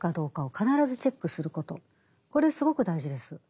これすごく大事です。